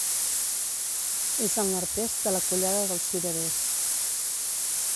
És al nord-est de la Collada dels Cirerers.